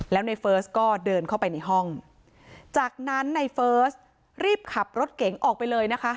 แล้วในเฟิร์สก็เดินเข้าไปในห้องจากนั้นในเฟิร์สรีบขับรถเก๋งออกไปเลยนะคะ